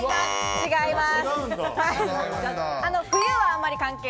違います。